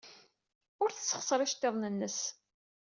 Ur tessexṣer iceḍḍiḍen-nnes.